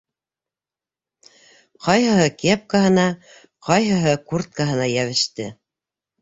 Ҡайһыһы кепкаһына, ҡайһыһы курткаһына йәбеште: